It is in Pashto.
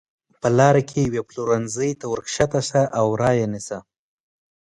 په لاره کې یوې پلورنځۍ ته ورکښته شه او را یې نیسه.